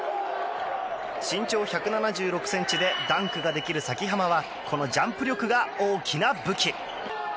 身長１７６ｃｍでダンクができる崎濱はこのジャンプ力が大きな武器！